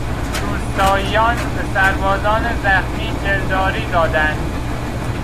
روستاییان به سربازان زخمی دلداری دادند.